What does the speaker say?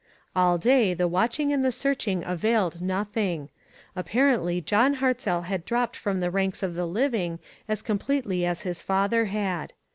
All day the watching and the searching availed nothing. Appar ently John Hartzell had dropped from the ranks of the living as completely as his father had.